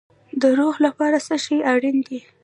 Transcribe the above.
د روح لپاره څه شی اړین دی؟